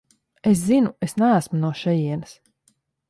Es zinu, es neesmu no šejienes.